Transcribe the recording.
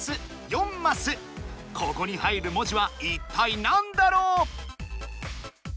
ここに入る文字はいったいなんだろう？